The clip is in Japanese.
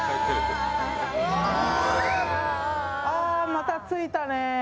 また着いたね。